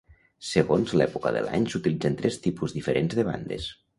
Segons l'època de l'any s'utilitzen tres tipus diferents de bandes.